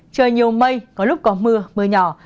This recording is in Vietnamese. trời nhiều mây có lúc có mưa mưa nhỏ